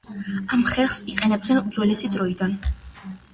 ამ ხერხს იყენებდნენ უძველესი დროიდან.